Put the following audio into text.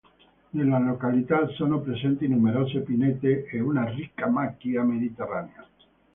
Nella località sono presenti numerose pinete e una ricca macchia mediterranea.